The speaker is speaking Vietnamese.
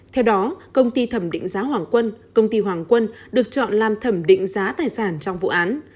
theo đó công ty thẩm định giá hoàng quân công ty hoàng quân được chọn làm thẩm định giá tài sản trong vụ án